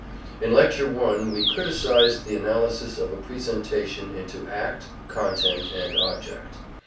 In Lecture I we criticized the analysis of a presentation into act, content and object.